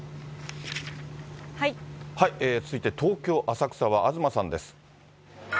続いて東京・浅草は東さんです。